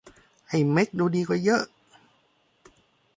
ไอ้แม็กดูดีกว่าเยอะ